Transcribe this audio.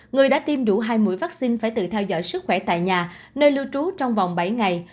người đã tiêm đủ hai mũi vaccine phải tự theo dõi sức khỏe tại nhà nơi lưu trú trong vòng bảy ngày